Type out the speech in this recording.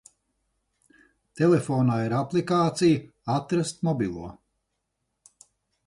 Telefonā ir aplikācija "Atrast mobilo".